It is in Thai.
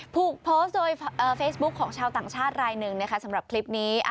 ถูกโพสต์โดยเฟซบุ๊คของชาวต่างชาติรายหนึ่งนะคะสำหรับคลิปนี้